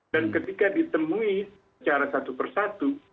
dan ketika ditemui secara satu persatu